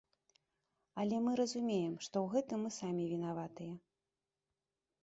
Але мы разумеем, што ў гэтым мы самі вінаватыя.